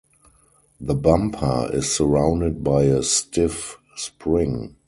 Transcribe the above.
The bumper is surrounded by a stiff spring.